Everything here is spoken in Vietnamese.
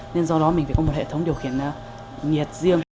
nên do đó mình phải có một hệ thống điều khiển nhiệt riêng